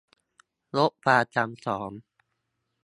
ลดความซ้ำซ้อน